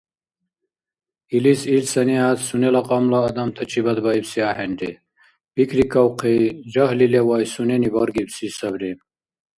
Илис ил санигӀят сунела кьамла адамтачибад баибси ахӀенри, пикрикавхъи, жагьли левай сунени баргибси сабри.